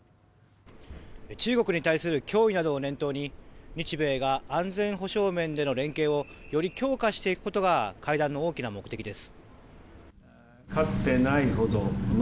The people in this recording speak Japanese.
中国に対する脅威などを念頭に日米が安全保障面での連携をより強化していくことが会談の大きな目的です。